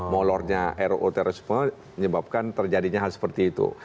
molornya ero ultrasexuel menyebabkan terjadinya hal seperti itu